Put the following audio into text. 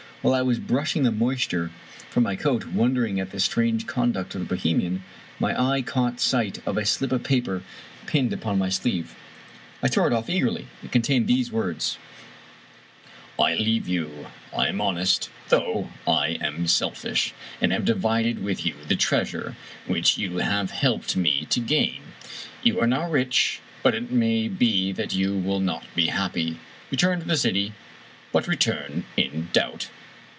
While I was brush ing the moisture from my coat, wondering at this strange conduct of the Bohemian, my eye caught sight of a slip of paper pinned upon my sleeve. I tore it off eagerly. It contained these words: " I leave you. I am honest, though I am selfish, and have divided with you the treasure which you have helped me to gain. You are now rich, but it may be that you will not be happy. Return to the city, but return in doubt.